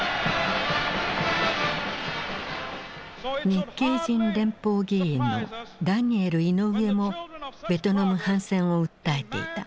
日系人連邦議員のダニエル・イノウエもベトナム反戦を訴えていた。